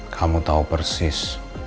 kamu tau persis